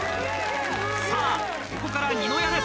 さあ、ここから二の矢です。